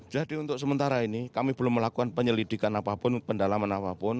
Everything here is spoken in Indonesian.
jadi untuk sementara ini kami belum melakukan penyelidikan apapun pendalaman apapun